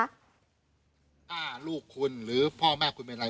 ถ้าลูกคุณหรือพ่อแม่คุณเป็นอะไร